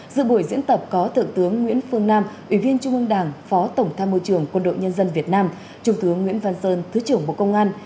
dự buổi diễn tập có thượng tướng nguyễn phương nam ủy viên trung ương đảng phó tổng tham mưu trưởng quân đội nhân dân việt nam trung tướng nguyễn văn sơn thứ trưởng bộ công an